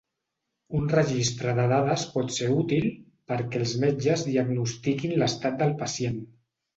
Un registre de dades pot ser útil perquè els metges diagnostiquin l'estat del pacient.